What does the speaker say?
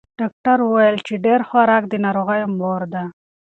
ډاکتر ویل چې ډېر خوراک د ناروغیو مور ده.